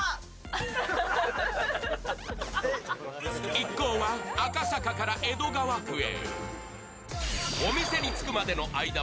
一行は赤坂から江戸川区へ。